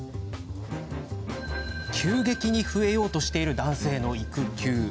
急激に増えようとしている男性の育休。